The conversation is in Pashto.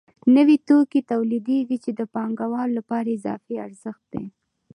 نوي توکي تولیدېږي چې د پانګوالو لپاره اضافي ارزښت دی